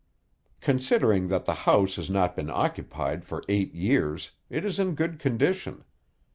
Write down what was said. Considering that the house has not been occupied for eight years, it is in good condition.